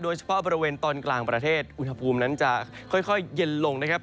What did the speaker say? เฉพาะบริเวณตอนกลางประเทศอุณหภูมินั้นจะค่อยเย็นลงนะครับ